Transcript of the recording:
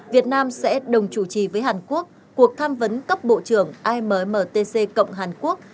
việt nam sẽ đồng chủ trì với hàn quốc cuộc tham vấn cấp bộ trưởng ammtc cộng hàn quốc